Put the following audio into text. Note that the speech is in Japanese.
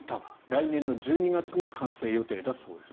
来年１２月に完成予定だそうです。